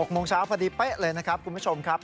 โมงเช้าพอดีเป๊ะเลยนะครับคุณผู้ชมครับ